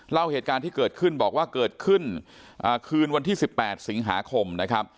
เล่าเหตุการณ์ที่เกิดขึ้นบอกว่าเกิดขึ้นคืนวันที่๑๘สิงหาคมนะครับ